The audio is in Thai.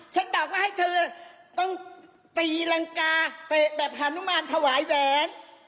แบบว่าให้เธอต้องตีรังกาเตะแบบหานุมานถวายแหวน